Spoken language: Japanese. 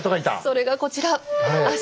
それがこちら。